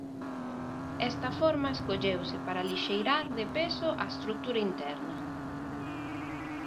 Esta forma escolleuse para alixeirar de peso a estrutura interna.